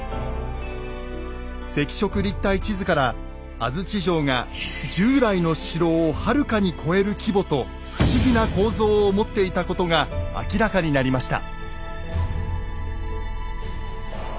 赤色立体地図から安土城が従来の城をはるかに超える規模と不思議な構造を持っていたことが明らかになりました。